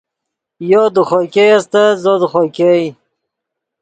یو دے خوئے ګئے استت زو دے خوئے ګئے